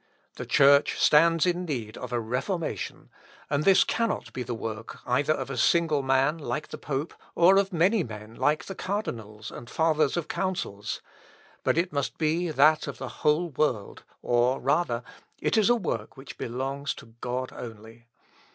The Church stands in need of a reformation; and this cannot be the work either of a single man, like the pope, or of many men, like the cardinals, and fathers of councils; but it must be that of the whole world, or, rather, it is a work which belongs to God only.